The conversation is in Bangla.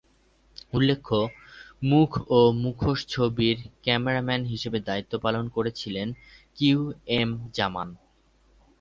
উল্লেখ্য, ‘মুখ ও মুখোশ’ ছবির ক্যামেরাম্যান হিসেবে দায়িত্ব পালন করেছিলেন কিউ এম জামান।